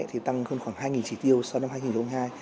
thì tăng hơn khoảng hai chỉ tiêu so năm hai nghìn hai mươi hai